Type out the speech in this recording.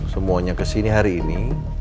semuanya kesini hari ini